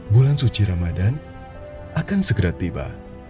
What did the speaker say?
bulan suci ramadan akan segera tiba